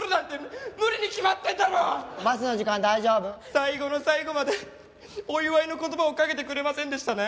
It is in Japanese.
最後の最後までお祝いの言葉をかけてくれませんでしたね。